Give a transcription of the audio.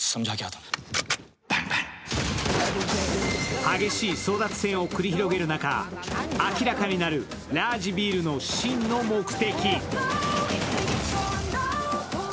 激しい争奪戦を繰り広げる中明らかになるラージヴィールの真の目的。